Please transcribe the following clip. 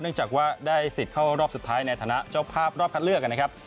จากว่าได้สิทธิ์เข้ารอบสุดท้ายในฐานะเจ้าภาพรอบคัดเลือกนะครับ